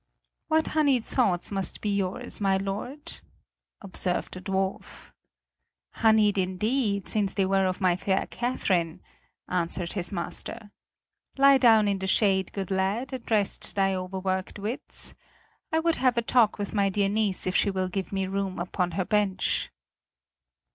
"What honeyed thoughts must be yours, my lord," observed the dwarf. "Honeyed indeed, since they were of my fair Catherine," answered his master. "Lie down in the shade, good lad, and rest thy overworked wits. I would have a talk with my dear niece if she will give me room upon her bench."